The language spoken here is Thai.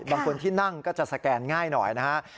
บางคนที่นั่งก็จะสแกนง่ายหน่อยนะฮะ